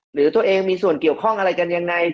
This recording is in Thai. หรือตัวเองมีส่วนเกี่ยวข้องอะไรกันยังไง